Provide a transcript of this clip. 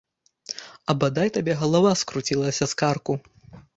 А бадай табе галава скруцілася з карку!